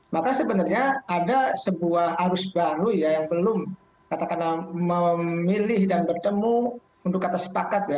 maka sebenarnya ada sebuah arus baru yang belum memilih dan bertemu untuk kata sepakat